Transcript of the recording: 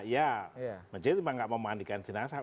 ya masjid cuma nggak memandikan jenazah